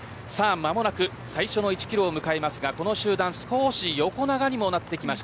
間もなく最初の１キロを迎えますがこの集団少し横長になってきました。